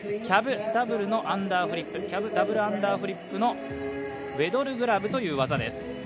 キャブダブルのアンダーフリップキャブダブルアンダーフリップのウェドルグラブという技です。